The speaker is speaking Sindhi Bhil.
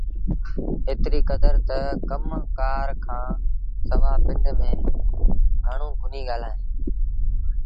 ايتري ڪدر تا ڪم ڪآر کآݩ سوا پنڊ ميݩ گھڻوݩ ڪونهيٚ ڳآلائيٚݩ